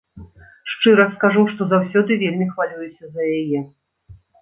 Шчыра скажу, што заўсёды вельмі хвалююся за яе.